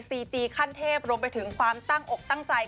ซีจีขั้นเทพรวมไปถึงความตั้งอกตั้งใจ